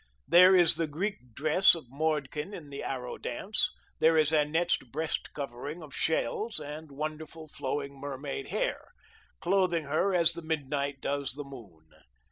There is the Greek dress of Mordkin in the arrow dance. There is Annette's breast covering of shells, and wonderful flowing mermaid hair, clothing her as the midnight does the moon.